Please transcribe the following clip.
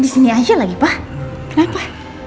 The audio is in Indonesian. di sini aja lagi pak kenapa